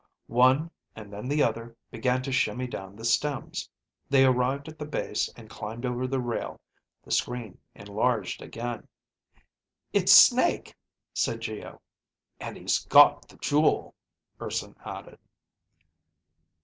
One, and then the other began to shimmy down the stems. They arrived at the base and climbed over the rail. The screen enlarged again. "It's Snake," said Geo. "And he's got the jewel," Urson added.